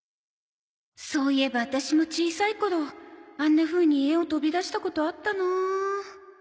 そういえばワタシも小さい頃あんなふうに家を飛び出したことあったな